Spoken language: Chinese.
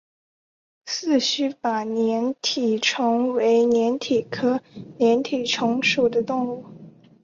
四须鲃粘体虫为粘体科粘体虫属的动物。